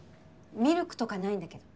ミルクとかないんだけど。